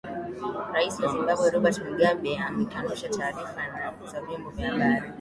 rais wa zimbabwe robert mugabe amekanusha taarifa za vyombo vya habari